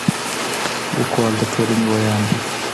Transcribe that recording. ليکوال د ټولنې وياند دی.